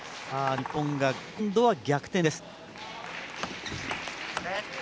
日本が今度は逆転です。